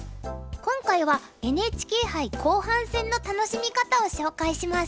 今回はＮＨＫ杯後半戦の楽しみ方を紹介します。